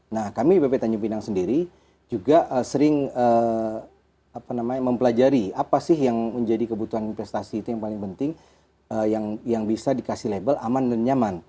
nah kami bp tanjung pinang sendiri juga sering mempelajari apa sih yang menjadi kebutuhan investasi itu yang paling penting yang bisa dikasih label aman dan nyaman